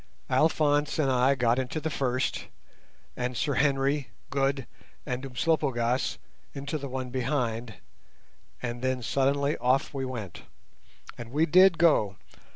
Alphonse and I got into the first, and Sir Henry, Good, and Umslopogaas into the one behind, and then suddenly off we went. And we did go!